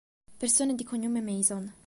Persone di cognome Mason